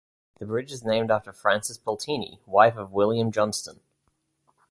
The bridge is named after Frances Pulteney, wife of William Johnstone.